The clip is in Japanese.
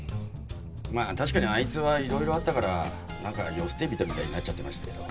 まあ確かにあいつはいろいろあったからなんか世捨て人みたいになっちゃってましたけど。